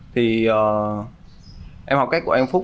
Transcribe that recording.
thì em học cách của em phúc